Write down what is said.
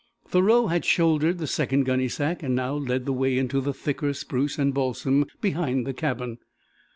Thoreau had shouldered the second gunny sack and now led the way into the thicker spruce and balsam behind the cabin.